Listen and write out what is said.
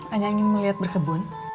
anjangan mau liat berkebun